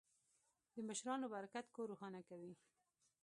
د مشرانو برکت کور روښانه کوي.